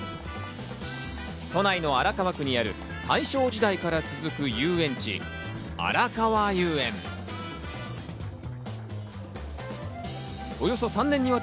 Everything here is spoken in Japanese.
都内の荒川区にある大正時代から続く遊園地・あらかわ